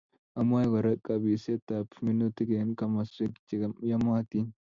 Amwae Kora kabiseatab minutik eng komoswek cheyamatin